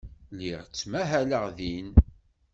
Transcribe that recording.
Lliɣ ttmahaleɣ din.